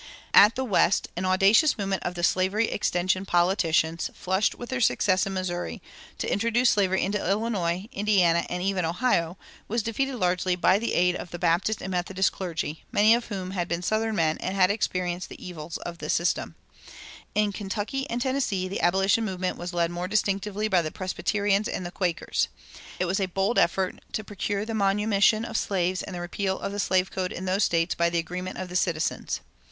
At the West an audacious movement of the slavery extension politicians, flushed with their success in Missouri, to introduce slavery into Illinois, Indiana, and even Ohio, was defeated largely by the aid of the Baptist and Methodist clergy, many of whom had been southern men and had experienced the evils of the system.[273:2] In Kentucky and Tennessee the abolition movement was led more distinctively by the Presbyterians and the Quakers. It was a bold effort to procure the manumission of slaves and the repeal of the slave code in those States by the agreement of the citizens.